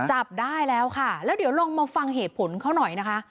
จับได้แล้วค่ะแล้วเดี๋ยวลองมาฟังเหตุผลเขาหน่อยนะคะ